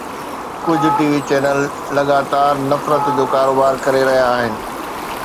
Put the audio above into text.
ڪجهه TV channel لڳاتار نفرت جو ڪاروبار ڪري رهيا آهن.